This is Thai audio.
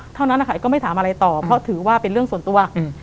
เท่านั้นนะคะก็ไม่ถามอะไรต่อเพราะถือว่าเป็นเรื่องส่วนตัวอืม